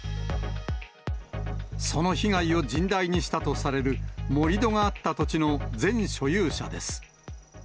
その被害を甚大にしたとされる盛り土があった土地の前所有者です。